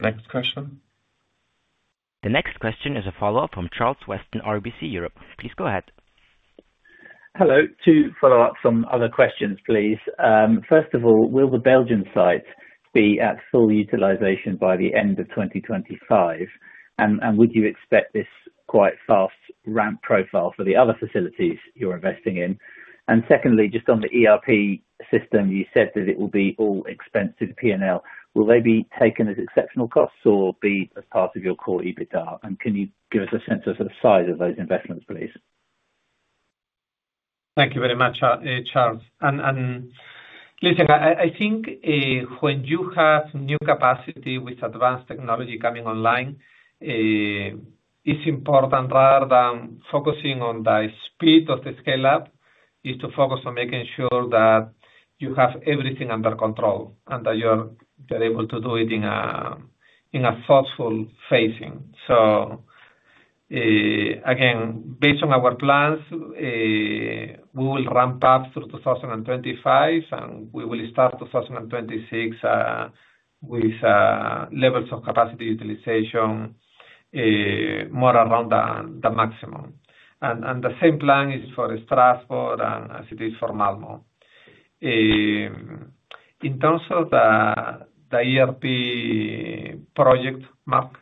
Next question. The next question is a follow-up from Charles Weston in RBC Europe. Please go ahead. Hello. Two follow-ups on other questions, please. First of all, will the Belgian site be at full utilization by the end of 2025? Would you expect this quite fast ramp profile for the other facilities you are investing in? Secondly, just on the ERP system, you said that it will be all expensed P&L. Will they be taken as exceptional costs or be as part of your core EBITDA? Can you give us a sense of the size of those investments, please? Thank you very much, Charles. Listen, I think when you have new capacity with advanced technology coming online, it's important rather than focusing on the speed of the scale-up, to focus on making sure that you have everything under control and that you're able to do it in a thoughtful phasing. Again, based on our plans, we will ramp up through 2025, and we will start 2026 with levels of capacity utilization more around the maximum. The same plan is for Strasbourg as it is for Malmö. In terms of the ERP project, Marc?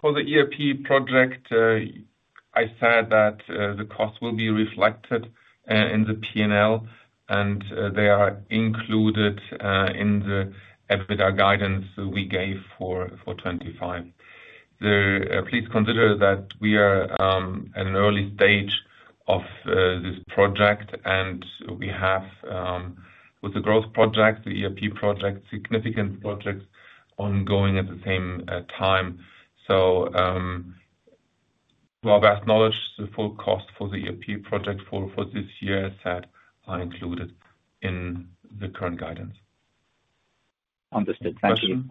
For the ERP project, I said that the cost will be reflected in the P&L, and they are included in the EBITDA guidance we gave for 2025. Please consider that we are at an early stage of this project, and we have, with the growth project, the ERP project, significant projects ongoing at the same time. To our best knowledge, the full cost for the ERP project for this year is included in the current guidance. Understood. Thank you. Thank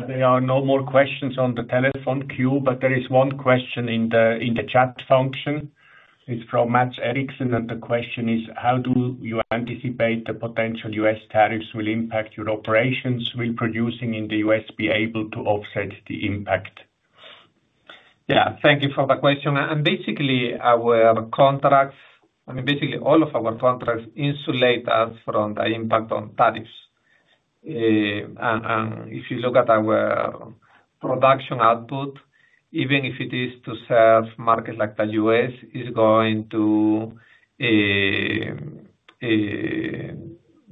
you. There are no more questions on the telephone queue, but there is one question in the chat function. It is from Matt Erickson, and the question is, how do you anticipate the potential U.S. tariffs will impact your operations? Will producing in the U.S. be able to offset the impact? Yeah. Thank you for the question. Basically, our contracts, I mean, basically all of our contracts insulate us from the impact on tariffs. If you look at our production output, even if it is to serve markets like the U.S., it is going to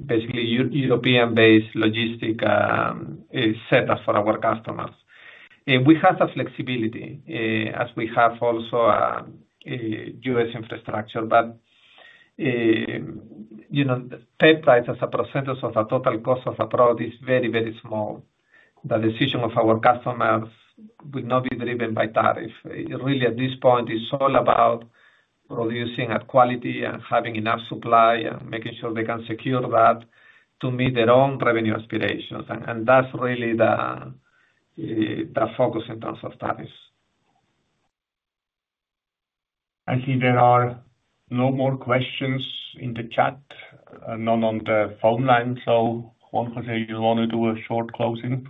basically European-based logistic setup for our customers. We have the flexibility, as we have also a U.S. infrastructure. Peptides as a percentage of the total cost of the product is very, very small. The decision of our customers will not be driven by tariff. Really, at this point, it is all about producing at quality and having enough supply and making sure they can secure that to meet their own revenue aspirations. That is really the focus in terms of tariffs. I think there are no more questions in the chat, none on the phone line. Juan José, you want to do a short closing?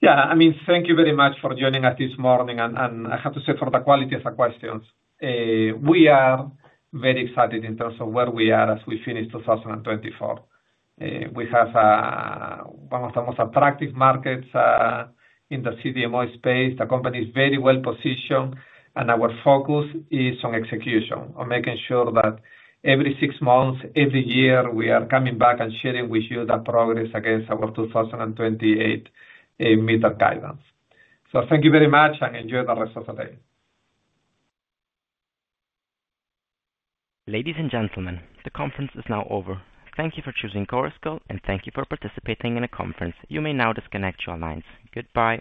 Yeah. I mean, thank you very much for joining us this morning. I have to say, for the quality of the questions, we are very excited in terms of where we are as we finish 2024. We have one of the most attractive markets in the CDMO space. The company is very well positioned, and our focus is on execution, on making sure that every six months, every year, we are coming back and sharing with you the progress against our 2028 midterm guidance. Thank you very much, and enjoy the rest of the day. Ladies and gentlemen, the conference is now over. Thank you for choosing Chorus Call, and thank you for participating in the conference. You may now disconnect your lines. Goodbye.